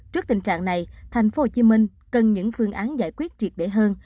trước tình trạng này tp hcm cần những phương án giải quyết triệt để hơn